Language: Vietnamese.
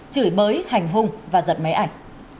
chửi mới hành hung và giật máy ảnh